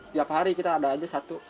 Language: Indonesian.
tiap hari kita ada aja satu